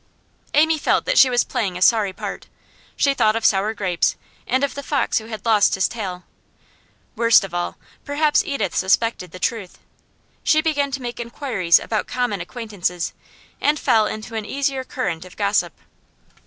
Amy felt that she was playing a sorry part. She thought of sour grapes, and of the fox who had lost his tail. Worst of all, perhaps Edith suspected the truth. She began to make inquiries about common acquaintances, and fell into an easier current of gossip.